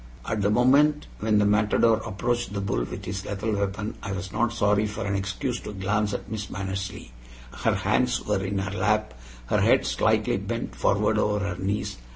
At the moment when the matador approached the bull with his lethal weapon I was not sorry for an excuse to glance at Miss Mannersley. Her hands were in her lap, her head slightly bent forward over her knees.